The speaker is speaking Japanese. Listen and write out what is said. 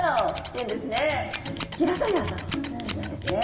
「平たい頭」なんですね。